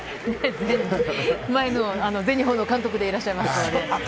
前の全日本の監督でいらっしゃいますからね。